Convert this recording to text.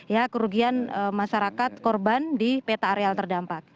ya kerugian masyarakat korban di peta areal terdampak